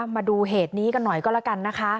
มาดูเหตุนี้กันหน่อยก็แล้วกันนะคะ